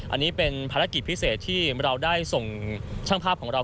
อันนี้เป็นภารกิจพิเศษที่เราได้ส่งช่างภาพของเรา